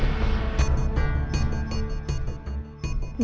tapi kenapa sampai rumahnya pagi